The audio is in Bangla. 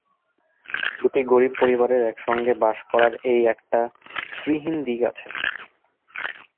দুটি গরিব পরিবারের একসঙ্গে বাস করার এই একটা শ্রীহীন দিক আছে।